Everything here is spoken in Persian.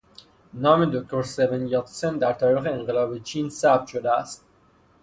نام دکتر سون یاتسن در تاریخ انقلاب چین ثبت شده است.